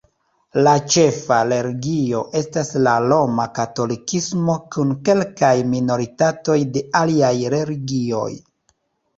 La ĉefa religio estas la Roma Katolikismo kun kelkaj minoritatoj de aliaj religioj.